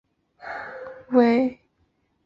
此歌的出现取替了花洒的年度作地位。